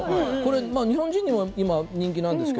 日本人にも今、人気なんです。